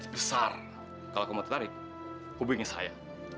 besar kalau aku mau tertarik hubungi saya